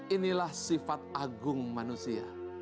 inilah sifat agung manusia